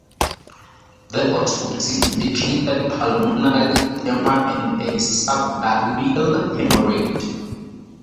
The autopsy indicated pulmonary edema and a subgaleal hemorrhage.